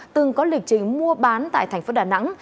từng có lịch trình mua bán tại thành phố đà nẵng